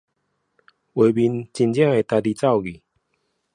畫面真的會自己跑掉